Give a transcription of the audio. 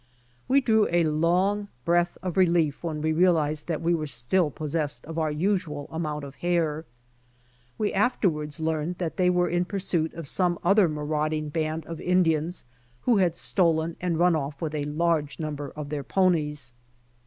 We drew a long breath of relief when we realized that we were still possessed of our usual amount of hair. We afterwards learned that they were in pursuit of some other marauding band of Indians who had stolen and run off with a large num ber of their ponies.